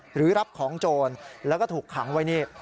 หรือรับของโจรแล้วก็ถูกขังไว้นี่